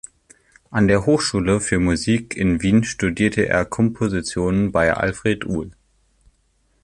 An der Hochschule für Musik in Wien studierte er Komposition bei Alfred Uhl.